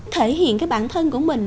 thể hiện cái bản thân của mình